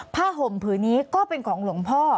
ห่มผืนนี้ก็เป็นของหลวงพ่อ